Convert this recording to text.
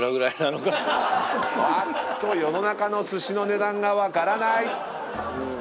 あっと世の中の寿司の値段が分からない！